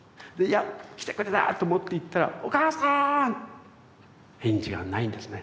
来てくれたと思って行ったら「お母さん！」返事がないんですね。